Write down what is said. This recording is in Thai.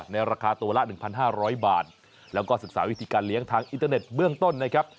ในราคาตัวละ๑๕๐๐บาทแล้วก็ศึกษาวิธีการเลี้ยงทางอินเทอร์เน็ตเบื้องต้นนะครับ